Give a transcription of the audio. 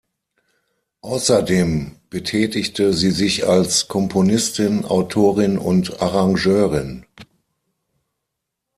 Außerdem betätigte sie sich als Komponistin, Autorin und Arrangeurin.